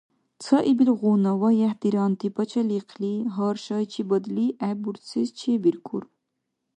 Цаибилгъуна, ваяхӀ диранти пачалихъли гьар шайчибадли гӀеббурцес чебиркур.